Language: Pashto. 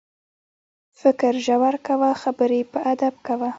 فکر ژور کوه، خبرې په ادب کوه.